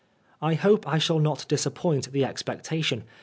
I hope I shall not disappoint the emecta tlon.